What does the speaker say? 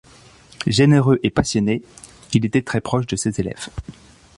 Généreux et passionné, il était très proche de ses élèves.